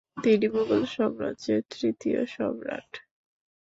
তিনি মুঘল সাম্রাজ্যের তৃতীয় সম্রাট।